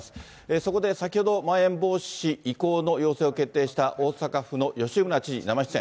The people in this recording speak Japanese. そこで先ほど、まん延防止移行の要請を決定した大阪府の吉村知事、生出演。